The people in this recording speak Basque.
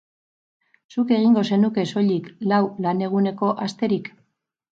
Zuk egingo zenuke soilik lau laneguneko asterik?